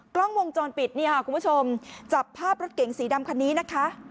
กล้องวงจรปิดนี่ค่ะคุณผู้ชมจับภาพรถเก๋งสีดำคันนี้นะคะ